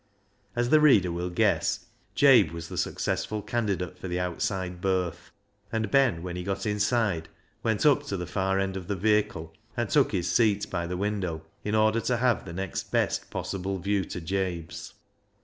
As the reader will guess, Jabe was the successful candidate for the outside berth ; and Ben, when he got inside, went up to the far THE HARMONIUM 327 end of the vehicle and took his seat by the window, in order to have the next best possible view to Jabe's.